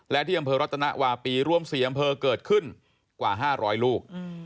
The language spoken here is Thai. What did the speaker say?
และที่อำเภอรัตนวาปีรวม๔อำเภอเกิดขึ้นกว่า๕๐๐ลูก